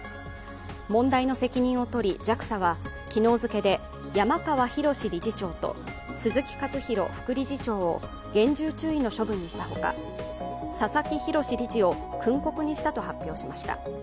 問題の責任をとりＪＡＸＡは昨日付で山川宏理事長と鈴木和弘副理事長を厳重注意の処分にしたほか佐々木宏理事を訓告にしたと発表しました。